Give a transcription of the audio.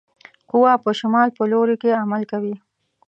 قوه په شمال په لوري کې عمل کوي.